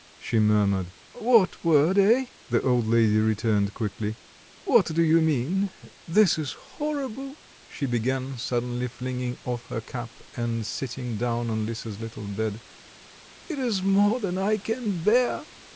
she murmured. "What word, eh?" the old lady returned quickly. "What do you mean? This is horrible," she began, suddenly flinging off her cap and sitting down on Lisa's little bed; "it is more than I can bear!